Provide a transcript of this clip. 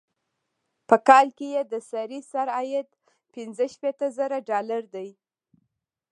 په کال کې یې د سړي سر عاید پنځه شپيته زره ډالره دی.